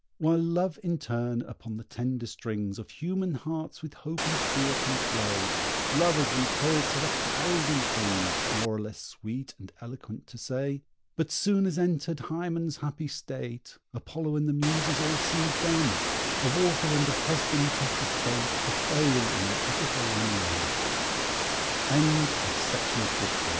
While Love in turn upon the tender strings Of human hearts with hope and fear can play, Lovers and poets have a thousand things, More or less sweet and eloquent, to say. But soon as entered Hymen's happy state Apollo and the Muses all seem dumb. Of author and of husband 'tis the fate To fail in an Epithalamium! FOOTNOTES: A